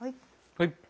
はい。